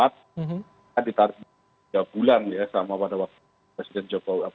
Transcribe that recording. kita ditarik tiga bulan ya sama pada waktu presiden jokowi